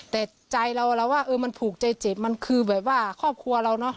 แต่ใจเราเราว่าเออมันผูกใจเจ็บมันคือแบบว่าครอบครัวเราเนอะ